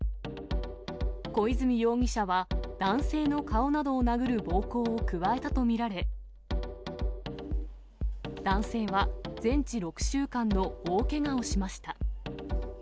小泉容疑者は、男性の顔などを殴る暴行を加えたと見られ、男性は全治６週間の大けがをしました。